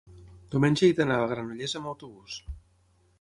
diumenge he d'anar a Granollers amb autobús.